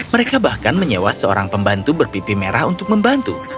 mereka bahkan menyewa seorang pembantu berpipi merah untuk membantu